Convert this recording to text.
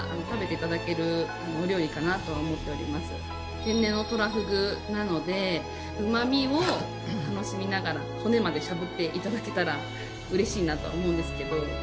天然のトラフグなのでうまみを楽しみながら骨までしゃぶっていただけたらうれしいなと思うんですけど。